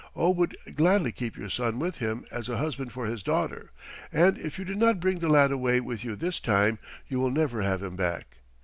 "Oh would gladly keep your son with him as a husband for his daughter, and if you do not bring the lad away with you this time, you will never have him back.